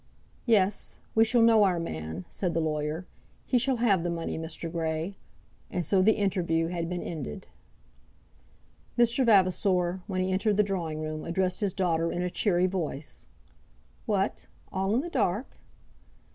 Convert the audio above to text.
"Yes; we shall know our man," said the lawyer. "He shall have the money, Mr. Grey," and so the interview had been ended. Mr. Vavasor, when he entered the drawing room, addressed his daughter in a cheery voice. "What; all in the dark?"